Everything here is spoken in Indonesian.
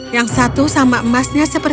yang satu sama emasnya yang aku inginkan